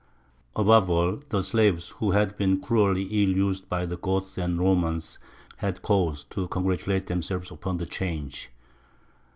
Above all, the slaves, who had been cruelly ill used by the Goths and Romans, had cause to congratulate themselves upon the change.